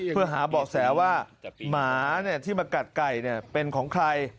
เพื่อหาเบาะแสว่าหมาที่มากัดไก่เป็นของใคร